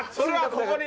ここに。